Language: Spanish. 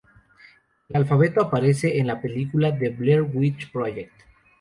El alfabeto aparece en la película The Blair Witch Project.